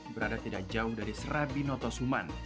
berada tidak jauh dari serabi notosuman